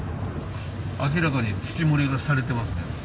明らかに土盛りがされてますね。